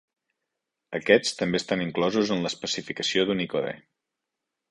Aquests també estan inclosos en l'especificació d'Unicode.